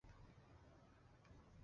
外婆行动还算顺利